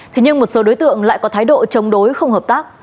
thế nhưng một số đối tượng lại có thái độ chống đối không hợp tác